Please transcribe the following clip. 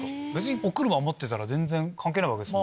お車持ってたら全然関係ないわけですもんね。